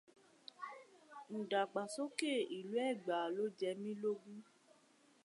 Ìdàgbàsókè Ìlú Ẹ̀gbá ló jẹ mí lógún